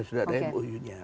sudah ada muu nya